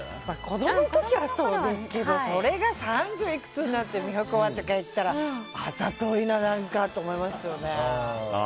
子供の時はそうですけどそれが三十いくつになって美穂子は、とか言ったらあざといなって思いますよね。